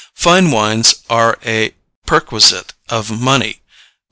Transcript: Fine wines are a perquisite of money.